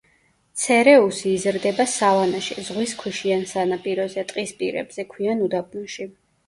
ცერეუსი იზრდება სავანაში, ზღვის ქვიშიან სანაპიროზე, ტყის პირებზე, ქვიან უდაბნოში.